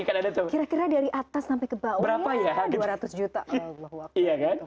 kira kira dari atas sampai ke bawah dua ratus juta ya allah waktu